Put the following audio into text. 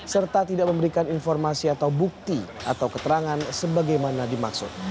serta tidak memberikan informasi atau bukti atau keterangan sebagaimana dimaksud